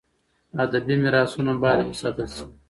. ادبي میراثونه باید وساتل سي.